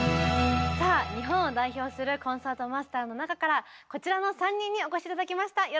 さあ日本を代表するコンサートマスターの中からこちらの３人にお越し頂きました。